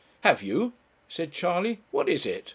'Have you?' said Charley. 'What is it?